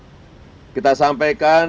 dan terima kasih kita sampaikan